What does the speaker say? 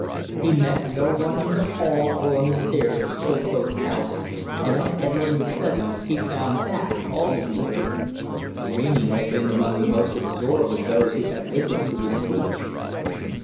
He met no one in the hall or on the stairs of Chilcote's house, and on entering the study he found that also deserted. Greening had been among the most absorbed of those who had listened to his speech.